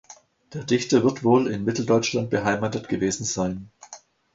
Der Dichter wird wohl in Mitteldeutschland beheimatet gewesen sein.